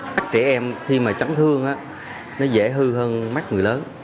các trẻ em khi mà chấn thương nó dễ hư hơn mắt người lớn